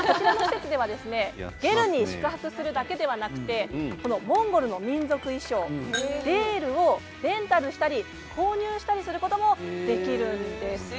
こちらではゲルに宿泊するだけではなくモンゴルの民族衣装デールをレンタルしたり購入したりすることもできるんです。